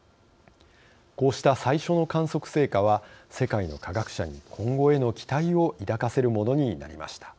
こうした最初の観測成果は世界の科学者に今後への期待を抱かせるものになりました。